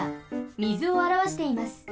みずをあらわしています。